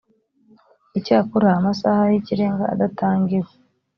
icyakora amasaha y ikirenga adatangiwe